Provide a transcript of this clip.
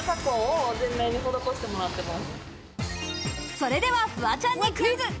それではフワちゃんにクイズ。